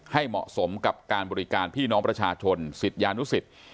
ให้เหมาะสมกับการบริการพี่น้องประชาชนศิษยานุสิต